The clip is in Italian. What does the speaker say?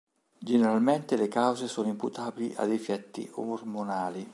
Generalmente le cause sono imputabili a difetti ormonali.